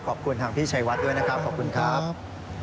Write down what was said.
ขอบคุณทางพี่ชัยวัดด้วยนะครับขอบคุณครับ